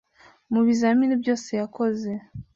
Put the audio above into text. mu bizamini byose yakoze.